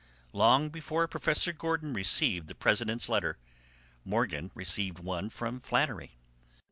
Long before Professor Gordon received the president's letter Morgan received one from Flannery.